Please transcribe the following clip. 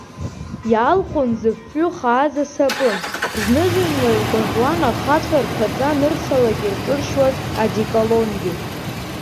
Иаалхәон зыфҩы хааз асапын, зны-зынла илгәаӷьуан ахацәа рԥаҵа анырсалак ирҿыршьуа адекалонгьы.